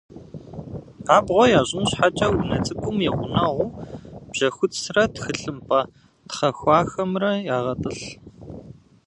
Абгъуэ ящӏын щхьэкӏэ унэ цӏыкӏум и гъунэгъуу бжьэхуцрэ тхылъымпӏэ тхъахуэхэмрэ ягъэтӏылъ.